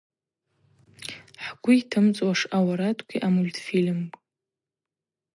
Хӏгвы йтымцӏуаш ауарадкви амультфильми.